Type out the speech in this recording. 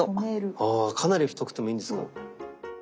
あかなり太くてもいいんですか。